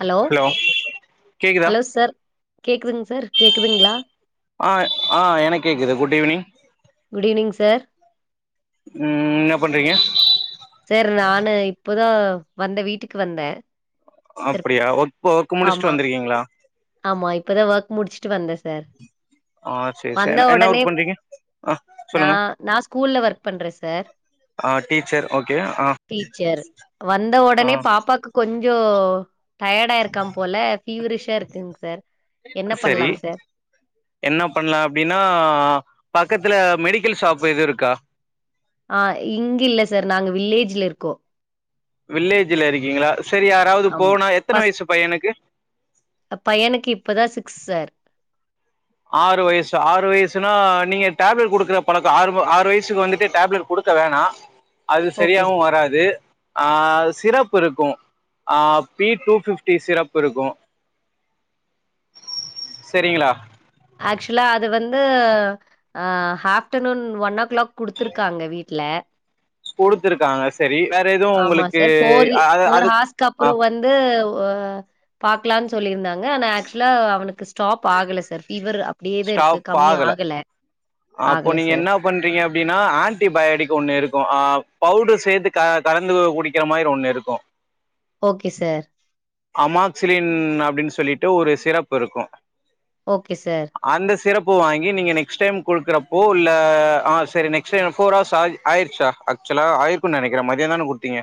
Hello கேக்குதா hello sir கேக்குதுங் sir கேக்குதுங்ளா ஆ ஆ எனக் கேட்குது குட் ஈவ்னிங் குட்ஈவ்னிங் சார் ம் என்ன பண்றீங்க சேர் நானு இப்போதா வந்த வீட்டுக்கு வந்தே அப்டியா ஒர்க் ஒர்க் முடிச்சுட்டு ஆமா வந்திருக்கீங்ளா ஆமா இப்பதா ஒர்க் முடிச்சுட்டு வந்தே சார் ஆ சேரி வந்த சேரி என்ன உடனே ஒர்க் பண்றீங்க ஆ நா சொல்லுங்க நா ஸ்கூல்ல ஒர்க் பண்றே சார் ஆ டீச்சர் ஓகே ஆ டீச்சர் வந்த ஆ உடனே பாப்பாக் கொஞ்சோ டயர்டா இருக்கான் போல ஃபீவரிஷா இருக் குங்க சார் என்ன சரி பண்ணலாங் சார் என்ன பண்ணலா அப்டின்னா பக்கத்துல மெடிக்கல் ஷாப் எதுவு இருக்கா ஆ இங்க இல்ல சார் நாங்க வில்லேஜ்ல இருக்கோ வில்லேஜ்ல இருக்கீங்ளா செரி யாராவது ஆமா போனா எத்தன ஃபர்ஸ்ட் வயசு பையனக்கு பையனுக்கு இப்பதான் சிக்ஸ் சார் ஆறு வயசு ஆறு வயசுனா நீங்க டேப்லெட் குடுக்குற பழக்கோ ஆறு ஆறு வயசுக்கு வந்துட்டு டேப்லெட் குடுக்க வேணா அது ஓகே சரியாவு வராது ஆ சிரப் இருக்கு ஆ பி டூ பிப்டி சிரப் இருக்கு சரிங்ளா ஆக்சுலா அது வந்து ஹாப்டர்நூன் ஒன் ஓ கிளாக் குடுத்துருக்காங்க வீட்ல குடுத்துருக்காங்க செரி வேற எதூ உங்களுக்கு அது அது ஆ கப்ரோ வந்து பாக்லானு சொல்லியிருந்தாங்க ஆனா ஆக்சுலா அவனுக்கு ஸ்டாப் ஆகல சார் ஃபீவர் அப்டியே தான் இருக்கு கம்மி ஆகல அப்போ ஆகல நீங்க சார் என்ன பண்றீங்க அப்டின்னா ஆன்டிபயாட்டிக் ஒன்னு இருக்கு பவுடர் சேத்து க கலந்து குடிக்கிற மாரி ஒன்னு இருக்கு ஓகே சார் அமாக்சிலின் அப்டின்னு சொல்லிட்டு ஒரு சிரப் இருக்கு ஓகே சார் அந்த சிரப் வாங்கி நீங்க நெக்ஸ்ட் டைம் குடுக்கறப்போ இல்ல ஆ சரி நெக்ஸ்ட் டைம் ஃபோர் ஹார்ஸ் ஆகி ஆயிருச்சா ஆக்சுலா ஆயிருக்குனு நெனக்கிறே மதியம் தான குட்தீங்க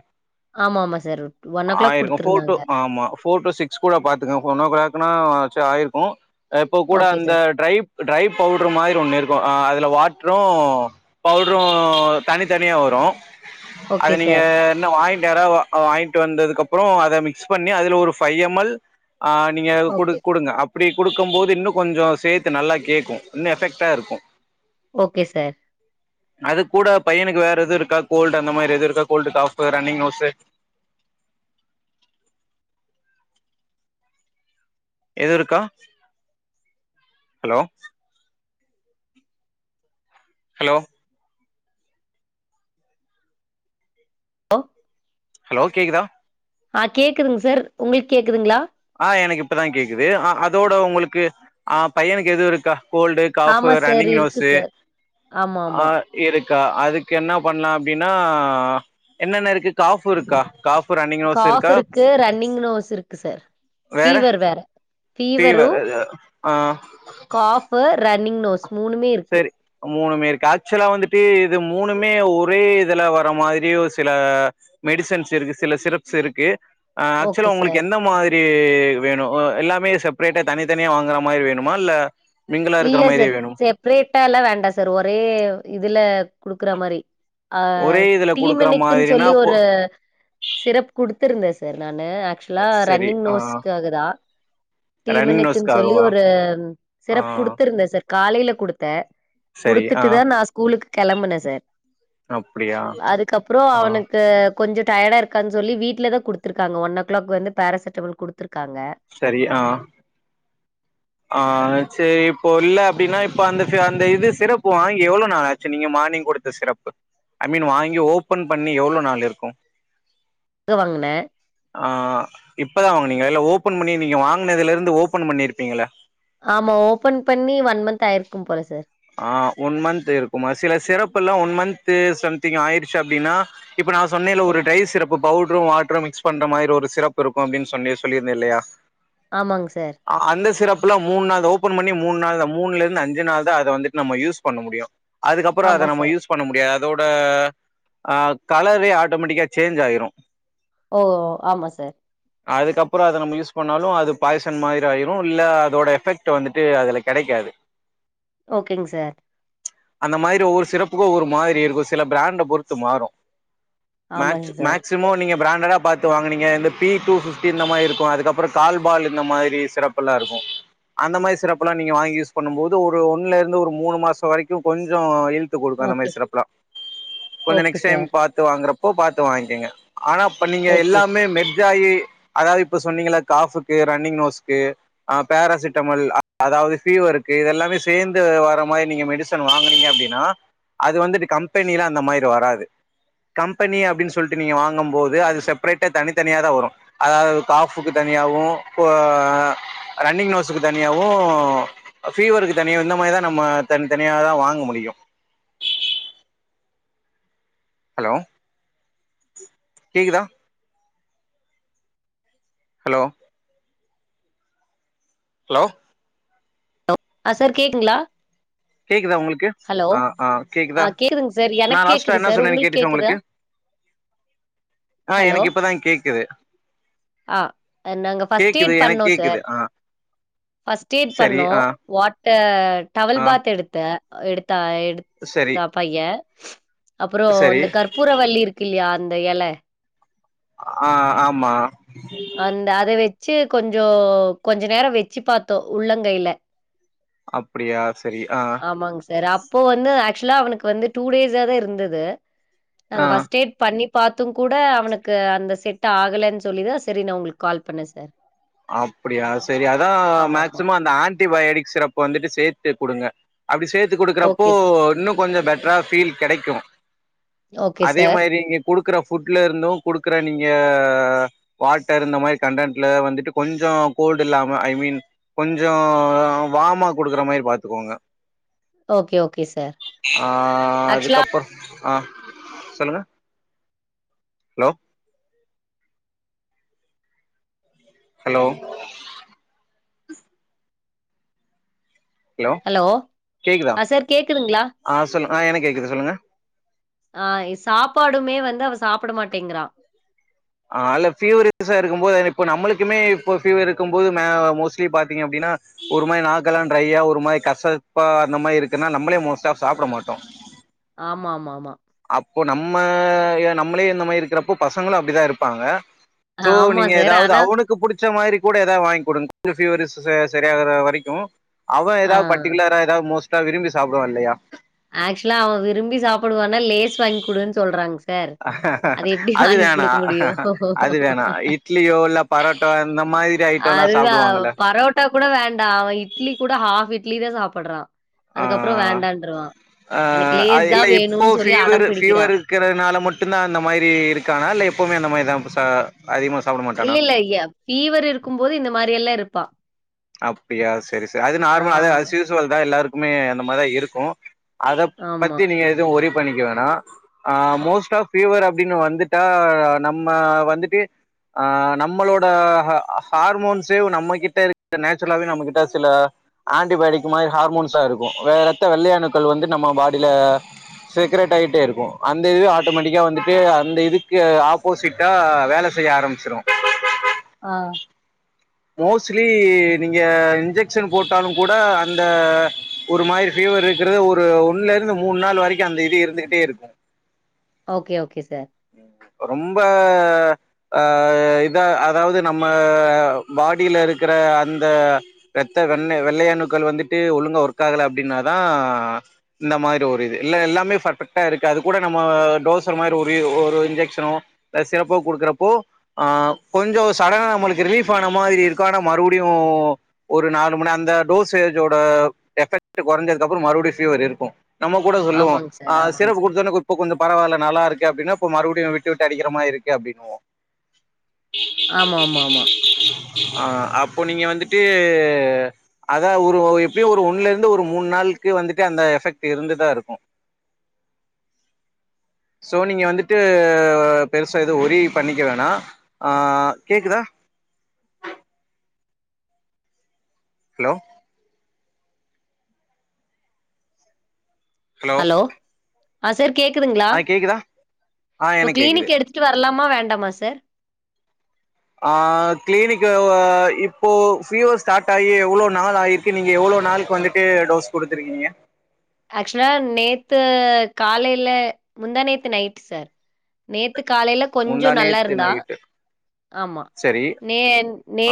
ஆமாமா சார். ஓ கிளாக் ஆயிருக்கும் ஃபோர் டு குடுத்துருந்தாங்க. ஆமா ஃபோர் டு சிக்ஸ் ஸ்கூல பாத்துக்க ஒன் கிளாக்னா ஆயிருக்கு இப்போ கூட ஓகே அந்த சார். ட்ரை ட்ரை பவுடர் மாரி ஒன்னு இருக்கு அதுல வாட்ரு பவுடரு தனி தனியா வரு அத ஓகே நீங்க சார். என்ன வாங்கி நேரா வாங்கிட்டு வந்ததுக்கு அப்பற அத மிக்ஸ் பண்ணி அதுல ஒரு ஃபை எம் எல் ஆ நீங்க குடு ஓகே. குடுங்க அப்டி குடுக்கும் போது இன்னு கொஞ்சோ சேத்து நல்லா கேட்கு இன்னு எஃபெக்டா இருக்கு ஓகே சார் அது கூட பையனுக்கு வேற எது இருக்கா கோல்டு அந்த மாரி எதுவு இருக்கா கோல்டு காஃப் ரன்னிங் நோஸ் எது இருக்கா ஹலோ ஹலோ லோ ஹலோ கேக்குதா ஆ கேக்குதுங் சார் உங்களுக்கு கேக்குதுங்களா ஆ எனக்கு இப்பதா கேக்குது அ அதோட உங்களுக்கு ஆ பையனுக்கு எது இருக்கா கோல்டு காஃப் ஆமா சார். ரன்னிங் இருக்கு நோஸ்சு சார். ஆமாமா. அ இருக்கா அதுக்கு என்ன பண்ணலா அப்டின்னா என்னென்ன இருக்கு ஃகாப் இருக்கா ஃகாப் காஃப் இருக்கு ரன்னிங் நோஸ் இருக்கு சார் ஃபீவர் வேற ஃபீவர் ஆ காஃப் ரன்னிங் நோஸ் மூணுமே இருக்கு சரி மூணுமே இருக்கு ஆக்சுவலா வந்துட்டு இது மூணுமே ஒரே இதுல வர்ற மாரியு சில மெடிசன்ஸ் இருக்கு சில சிரப்ஸ் இருக்கு ஓகே ஆக்சுவலா உங்களுக்கு சார். என்ன மாரி எப்டி வேணு எல்லாமே செப்ரேட்டா தனித்தனியா வாங்கற மாரி வேணுமா இல்ல மிங்கிளா இருக்கற மாரியே வேணுமா செப்ரேட்டா எல்லா வேண்டா சார் ஒரே இதுல குடுக்கற மாறி ஆ ஒரே இதுல டீம் குடுக்குற மினிக்குன்னு மாதிரினா சொல்லி போ ஒரு சிரப் குடுத்திருந்தே சார் நானு ஆக்சுவலா சரி ரன்னிங் ஆ நோஸ்க்காக தா டீ ரன்னிங் மினிக்குன்னு சொல்லி நோஸ்க்காகவா ஒரு ஆ சிரப் குடுத்திருந்த சார் காலைல குடுத்தே சரி ஆ குடுத்துட்டு தா நா ஸ்கூலுக்கு கெளம்புனே சார் அப்டியா அதுக்கப்புறோ ஆ அவனுக்கு கொஞ்சோ டயர்டா இருக்கான்னு சொல்லி வீட்ல தா குடுத்திருக்காங்க ஒன் ஓ கிளாக் வந்து பேராசிட்டமல் குடுத்திருக்காங்க சரி ஆ ஆ செரி இப்போ இல்ல அப்படின்னா இப்ப அந்த சி அந்த இது சிரப் வாங்கி எவ்ளோ நாள் ஆச்சு நீங்க மார்னிங் குடு த்த சிரப்பு ஐ மீன் வாங்கி ஓப்பன் பண்ணி எவ்ளோ நாள் இருக்கு இப்பதா வாங்குனே ஆ இப்ப தா வாங்குனீங்கள இல்ல ஓப்பன் பண்ணி நீங்க வாங்குனதுல இருந்து ஓப்பன் பண்ணிருப்பீங்கள ஆமா ஓப்பன் பண்ணி ஒன் மந்த் ஆயிருக்கும் போல சார் ஆ ஒன் மந்த் இருக்குமா சில சிரப் எல்லா ஒன் மந்த்து சம்திங் ஆயிருச்சு அப்டின்னா இப்ப நா சொன்னேலே ஓ ஒரு டை சிரப்பு பவுட்ரு வாட்ரு மிக்ஸ் பண்ற மாரி ஒரு சிரப்பு இருக்கு அப்டின்னு சொல்லி சொல்லிருந்தே இல்லையா ஆமாங் சார் அந்த சிரப் எல்லா மூண் நாள் தா ஓப்பன் பண்ணி மூண் நாள் தா மூணுல இருந்து அஞ்சு நாள் தா அத வந்துட்டு நம்ம யூஸ் பண்ண முடியு அதுக்கப்புறோ ஆமா அத நம்ம சார். யூஸ் பண்ண முடியாது அதோட ஆ கலரே ஆட்டோமெட்டிக்கா சேஞ்ச் ஆயிரு ஓ ஆமா சார் அதுக்கப்பறோ அத நம்ம யூஸ் பண்ணாலு அது பாய்சன் மாரி ஆயிரு இல்ல அதோட எஃபக்ட் வந்துட்டு அதுல கெடைக்காது ஓகேங் சார் அந்த மாரி ஒவ்வொரு சிரப்புக்கு ஒரு மாரி இருக்கு சில ப்ராண்ட பொருத்து மாரு மேக்ஸ் ஆமாங்க சார். மேக்சிமோ நீங்க ப்ராண்டடா பாத் த்து வாங்குனீங்க இந்த பி டூ பிப்டி இந்த மாரி இருக்கு அதுக்கப்பறோ கால்ஃபால் இந்த மாரி சிரப் எல்லா இருக்கு அந்த மாரி சிரப்பெல்லா நீங்க வாங்கி யூஸ் பண்ணும் போது ஒரு ஒண்ணுல இருந்து ஒரு மூணு மாசோ வரைக்கு கொஞ்சோ இல் டுத்து குடுக்கு அந்த மாரி ஓகே. சிரப்லா கொஞ்சோ ஓகே நெக்ஸ்ட் டைம் சார். பாத்து வாங்குறப்போ பாத்து வாங்கிக்கெங்க ஆனா இப்ப நீங்க ஓகே. எல்லாமே மெர்ஜாயி அதாவது இப்ப சொன்னீங்கல்ல காஃப்புக்கு ரன்னிங் நோஸ்க்கு ஆ பேராசிட்டமல் அதாவது ஃபீவர்ருக்கு இதெல்லாமே சேந்து வர மாரி நீங்க மெடிசன் வாங்குனீங்க அப்டின்னா அது வந்துட்டு கம்பெனிலா அந்த மாதிரி வராது கம்பெனி அப்டின்னு சொல்ட்டு நீங்க வாங்கும்போது அது செப்ரேட்டா தனித்தனியா தா வரு அதாவது காஃப்புக்கு தனியாவு இப்போ ரன்னிங் நோஸ்ஸுக்கு தனியாவு ஃபீவருக்கு தனியாவு இந்த மாரி தா நம்ம தனித் தனியா தா வாங்க முடியு ஹலோ கேக்குதா ஹலோ ஹலோ ஆ சார் கேக்குங்களா கேக்குதா உங்களுக்கு ஹலோ ஆ ஆ கேக்குதா அ கேக்குதுங்க சார் நா எனக்கு லாஸ்ட்டா கேக்குது என்ன சார் சொன்னேன்னு உங்களுக்கு கேட்டுச்சா கேக்குதா ஆ ஹலோ! எனக்கு இப்பதா கேக்குது ஆ நாங்க ஃபர்ஸ்ட்டேட் கேக்குது எனக்கு பண்ணோ கேக்குது சார் ஆ ஃபர்ஸ்ட்டேட் சரி பண்ணோ ஆ வாட்டர் டவல் ஆ பாத் எடுத்தே எடுத்தா எடுத் சரி தா பைய அப்புறோ சரி இந்த கற்பூரவல்லி இருக்கு இல்லையா அந்த எல ஆ ஆமா அந்த அத வெச்சு கொஞ்சோ கொஞ்ச நேரோ வெச்சு பாத்தோ உள்ளங்கைல அப்டியா செரி ஆ அ ஆமாங்க சார் அப்போ வந்து ஆக்சுவலா அவனுக்கு வந்து டூ டேஸா தா இருந்தது ஆ நாங்க ஃபர்ஸ்ட் எய்ட் பண்ணி பாத்துங் கூட அவனுக்கு அந்த செட் ஆகலேன்னு சொல்லிதா சி செரி நா உங்களுக்கு கால் பண்ணே சார் அப்புடியா செரி அதா ஆமாமா. மாக்சிமோ அந்த ஆன்டி பயாட்டிக் சிரப்ப வந்துட்டு சேத்து குடுங்க அப்டி சேத்து குடுக்குறப்போ ஓகே சார். இன்னு கொஞ்ச பெட்டரா ஃபீல் கெடைக்கு ஓகே அதே சார். மாதிரி இங்கக் குடுக்குற ஃபுட்ல இருந்தும் குடுக்குற நீங்க வாட்டர் இந்த மாரி கண்டன்ட்ல வந்துட்டு கொஞ்சோ கோல்ட் இல்லாம ஐ மீன் கொஞ்சோ வாம்மா குடுக்குற மாரி பாத்துக்கோங்க ஓகே, ஓகே சார். ஆ ஆக்சுவலா அதுக்கப்பறோ ஆ சொல்லுங்க ஹலோ ஹலோ ஹலோ கேக்குதா ஆ சார் கேக்குதுங்ளா ஆ சொல்லு ஆ எனக்கு கேக்குது சொல்லுங்க ஆ சாப்பாடுமே வந்து அவ சாப்புட மாட்டேங்றா ஆ அல்ல ஃபீவரிஷா இருக்கும்போது ஏன இப்ப நம்மளுக்குமே இப்போ ஃபீவர் இருக்கும்போது மா மோஸ்ட்லி பாத்தீங்க அப்டின்னா ஒரு மாரி நாக்கெல்லாம் ட்ரைய்யா ஒரு மாரி நாக்கல்லா ட்ரையா ஒரு மாரி கசப்பா அந்த மாரி இருக்குன்னா நம்மளே மோஸ்டா ஆஃப் சாப்புட மாட்டோ ஆமா ஆமா ஆமா அப்போ நம்ம நம்மளே இந்த மாரி இருக்கிறப்போ பசங்களு அப்டிதா இருப்பாங்க சோ ஆமா நீங்க சார். ஏதாவது ஆனா அவனுக்கு புடிச் ச மாரி கூட ஏதா வாங்கிக் குடுங் ஃபீவரிஷ் ச சரியாற வரைக்கு அவன் ஆ ஏதாவது பர்டிகுலரா ஏதா மோஸ்டா விரும்பி சாப்புடுவான் இல்லயா ஆக்சுவலா அவன் விரும்பி சாப்டுவான்னா லேஸ் வாங்கிக் குடுன்னு சொல்றாங்க சார் எப்படி அது வாங்கி வேணா குடுக்க அது முடியும்? வேணா இட்லியோ இல்ல பரோட்டோ இந்த மாதிரி ஐட்டம்லாம் அதுதான் சாப்டுவாங்கல்ல பரோட்டா கூட வேண்டா அவன் இட்லி கூட ஹாஃப் இட்லி தா சாப்ட்றா அதுக்கப்றம் வேண்டான்ருவான் ஆ எனக்கு அ லேஸ் இல்ல தான் இப்போ வேணும்னு சொல்லி ஃபீவர் அடம் ஃபீவரு பிடிக்கிறான். இருக்கறனால மட்டுந்தா அந்த மாரி இருக்கானா இல்ல எப்போமே அந்த மாரி தா ப சா அதிகமா சாப்ட மா இல்ல இல்ல எ ஃபீவர் இருக்கும் போது இந்த மாரி எல்லா இருப்பான் அப்டியா செரி செரி அது ஆ, நார்மல் அது அஸ் யூசுவல் தா எல்லாருக்குமே அந்த மார்தா இருக்கும் அதப் ஆமா. பத்தி நீங்க எதும் ஒரி பண்ணிக்க வேணா ஆ மோஸ்ட்டா ஃபீவர் அப்டின்னு வந்துட்டா நம்ம வந்துட்டு ஆ நம்ளோட ஹ ஹார்மோன்ஸே நம்மகிட்ட இருக் நேச்சுரலாவே நம்மகிட்ட சில ஆன்டிபயோட்டிக் மாரி ஹார்மோன்ஸா இருக்கும் வேற ரத்த வெள்ளை அணுக்கள் வந்து நம்ம பாடில செக்ரேட் ஆய்ட்டே இருக்கும் அந்த இது ஆட்டோமேட்டிக்கா வந்துட்டு அந்த இதுக்கு ஆப்போசிட் ட்டா வேல செய்ய ஆரம்ச்சுரும் ஆ மோஸ்ட்லி நீங்க இன்ஜெக்ஷன் போட்டாலும் கூட அந்த ஒரு மாரி ஃபீவர் இருக்றது ஒரு ஒன்னுல இருந்து மூணு நாள் வரைக்கு அந்த இது இருந்துகிட்டே இருக்கும் ஓகே ஓகே சார் ரொம்ப ஆ இத அதாவது நம்ம பாடில இருக்கற அந்த ரத்த வெண்ண வெள்ளையணுக்கள் வந்துட்டு ஒழுங்கா ஒர்க்காகலே அப்டின்னாதான் இந்த மாரி ஒரு இது இல்ல எல்லாமே பர்ஃபெக்டா இருக்கு அது கூட நம்ம டோசர் மாரி ஒரு ஒரு இன்ஜெக்ஷ க்ஷனோ இல்ல சிறப்பா குடுக்குறப்போ ஆ கொஞ்சோ சடனா நம்மளுக்கு ரிலீஃப் ஆன மாதிரி இருக்கு ஆனா மறுபடியும் ஒரு நாலு மண அந்த டோஸேஜோட எஃபெக்ட் கொறஞ்சதுக்கு அப்றம் மறுபடியும் ஃபீவர் இருக்கும் நம்ம கூட சொல்லுவோம் ஆமாங்க அ சார், ஆமாங்க சிரப் சார். குடுத்தோன இப்ப கொஞ்சோ பராயில்ல நல்லா இருக்கு அப்டின்னா இப்ப மறுபடியு விட்டு விட்டு விட்டு அடிக்கற மாரி இருக்கு அப்டின்வோ ஆமாமாமா ஆ அப்போ நீங்க வந்துட்டு அதா ஒரு ஒ எப்டியு ஒரு ஒன்ல இருந்து ஒரு மூண் நாள்க்கு வந்துட்டு அந்த எஃபெக்ட் இருந்துதா இருக்கும் ஸோ நீங்க வந்துட்டு பெருசா எது ஒரி பண்ணிக்க வேணாம் ஆ கேக்குதா ஹலோ ஹலோ ஆ சார் கேக்குதுங்களா ஆ கேக்குதா ஆ இப்ப எனக்கு கேக்குது கிளினிக்ல எடுத் க்கு வர்லாமா வேண்டாமா சார் ஆ கிளினிக்கு இப்போ ஃபீவர் ஸ்டார்ட் ஆயி எவ்ளோ நாள் ஆயி க்கு நீங்க எவ்ள நாள்க்கு வந்துட்டு டோஸ் குடுத்துருக்கீங்க ஆக்சுலா நேத்து காலைல முந்தாநேத்து நைட்டு சார் நேத்து காலைல கொஞ்சோ முந்தா நல்லா நேத்து இருந்தா நைட்டு ஆமா சரி நே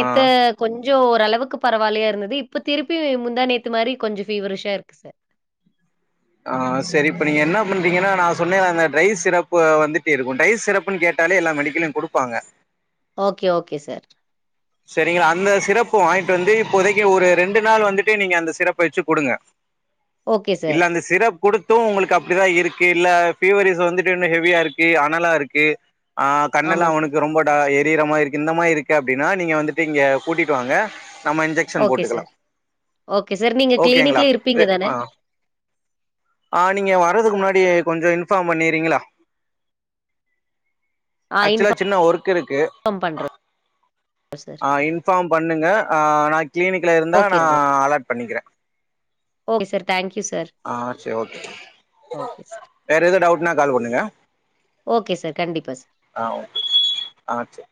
ஆ கொஞ்சோ ஓரளவுக்கு பரவால்லயா இருந்தது இப்ப திருப்பி முந்தாநேத்து மாரி கொஞ்சோ ஃபீவரிஷா இருக்கு சார் ஆ சரி இப்ப நீங்க என்ன பண்றீங்கன்னா நா சொன்ன அந்த ட்ரை சிரப்பு வந்துட்டு இருக்கும் டை சிரப்பு னு கேட்டாலே எல்லா மெடிக்கல்லயு குடுப்பாங்க ஓகே ஓகே சார் சரிங்களா அந்த சிரப்பு வாங்கிட்டு வந்து இப்போதைக்கு ஒரு ரெண்டு நாள் வந்துட்டு நீங்க அந்த சிரப்பு வச்சு குடுங்க ஓகே இல்ல சார். அந்த சிரப் குடுத்தும் உங்களுக்கு அப்டிதா இருக்கு இல்ல ஃபீவரிஸ் வந்துட்டு இன்னு ஹெவியா இருக்கு அனலா இருக்கு ஆ கண்ணெல்லா ஆமா சார். அவனுக்கு ரொம்ப டா எரியிற மா இருக்கு இந்த மாரி இருக்கு அப்டின் னா நீங்க வந்துட்டு இங்க கூட்டிட்டு வாங்க நம்ம இன்ஜெக் ஷன் ஓகே போட்டுக்கலா சார். Okay sir. நீங்க ஓகேங்களா கிளினிக்ல இருப்பீங்க தானே? ஆ ஆ நீங்க வர்றதுக்கு முன்னாடி கொஞ்சோ இன்ஃபார்ம் பண்ணிறீங்களா [inaudible] ஆக்சுவலா சின்ன ஒர்க்கு இருக்கு இன்ஃபார்ம் பண்ற ஆ இன்ஃபார்ம் பண்ணுங்க ஆ நா க்ளின்க்ல இருந்தா ஓகே நா சார். அலர்ட் பண்ணிக்கிற okay sir. Thank you sir. ஆ சேரி ஓகே ஓகே சார். வேற ஏதோ டவுட்னா கால் பண்ணுங்க ஓகே சார் கண்டிப்பா சார் ஆ ஓகே ஆ சேரி